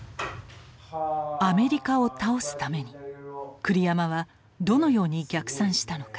アメリカを倒すために栗山はどのように逆算したのか？